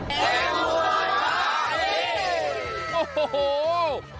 แตงโมล่อยฟ้าดี